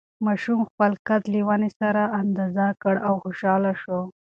ماشوم خپل قد له ونې سره اندازه کړ او خوشحاله شو.